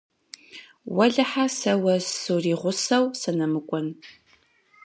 Уэлэхьэ, сэ уэ суригъусэу сынэмыкӀуэн.